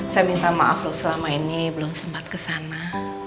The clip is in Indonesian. saya minta maaf loh selama ini belum sempat kesana